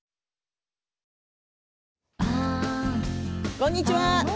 こんにちは。